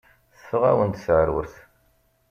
Teffeɣ-awen-d teεrurt.